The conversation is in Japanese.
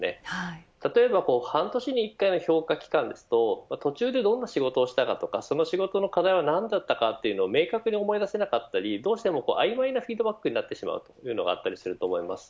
例えば半年に１回の評価期間だと途中でどんな仕事をしたかその仕事の課題は何だったかというのを明確に思い出せなかったり曖昧なフィードバックになってしまうことがあります。